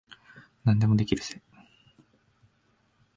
何でもできるぜ。